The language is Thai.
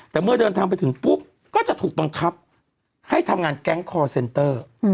แต่เมื่อเดินทางไปถึงปุ๊บก็จะถูกบังคับให้ทำงานแก๊งคอร์เซนเตอร์